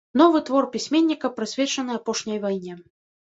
Новы твор пісьменніка прысвечаны апошняй вайне.